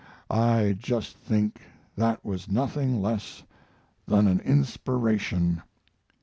I just think that was nothing less than an inspiration.